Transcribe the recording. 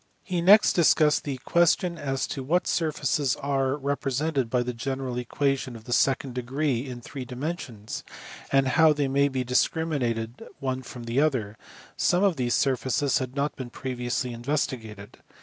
He next dis cussed the question as to what surfaces are represented by the general equation of the second degree in three dimensions, and how they may be discriminated one from the other : some of these surfaces had not been previously investigated.